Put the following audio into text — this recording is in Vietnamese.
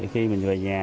khi mình về nhà